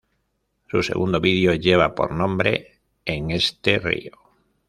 Su segundo vídeo lleva por nombre "En Este Río".